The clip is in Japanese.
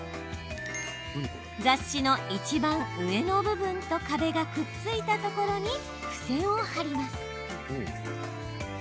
雑誌のいちばん上の部分と壁がくっついたところに付箋を貼ります。